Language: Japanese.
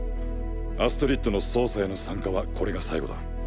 アストリッドの捜査への参加はこれが最後だ。